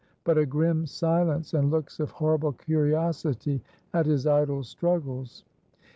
but a grim silence and looks of horrible curiosity at his idle struggles.